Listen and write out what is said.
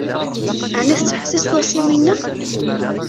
Ɛni tettḥessiseḍ-as i winna?